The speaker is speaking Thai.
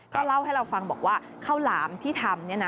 ก็เล่าให้เราฟังบอกว่าข้าวหลามที่ทำเนี่ยนะ